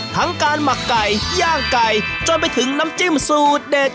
ทั้งการหมักไก่ย่างไก่จนไปถึงน้ำจิ้มสูตรเด็ด